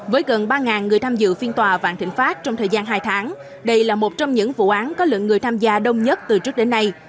với gần ba người tham dự phiên tòa vạn thịnh pháp trong thời gian hai tháng đây là một trong những vụ án có lượng người tham gia đông nhất từ trước đến nay